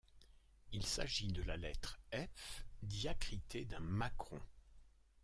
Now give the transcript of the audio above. Il s'agit de la lettre F diacritée d'un macron.